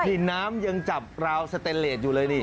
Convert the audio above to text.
นี่น้ำยังจับราวสเตนเลสอยู่เลยนี่